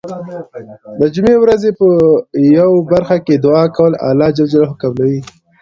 د جمعې ورځې په یو برخه کې دعا کول الله ج قبلوی .